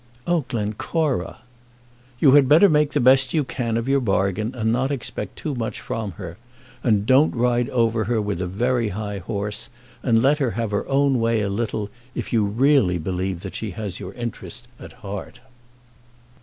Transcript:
"Oh, Glencora!" "You had better make the best you can of your bargain and not expect too much from her. And don't ride over her with a very high horse. And let her have her own way a little if you really believe that she has your interest at heart."